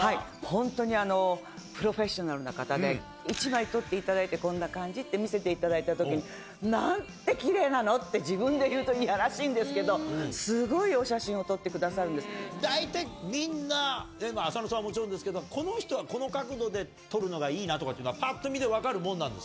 本当に、プロフェッショナルな方で、１枚撮っていただいて、こんな感じって見せていただいたときに、なんてきれいなの？って、自分で言うといやらしいんですけど、すごいお写真を撮ってくださ大体、みんな、例えば浅野さんはもちろんですけど、この人はこの角度で撮るのがいいなとかっていうのは、ぱっと見ではい。